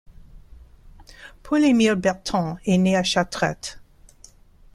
Paul Émile Berton est né à Chartrette.